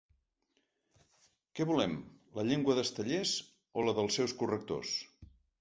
Què volem, la llengua d'Estellés o la dels seus correctors?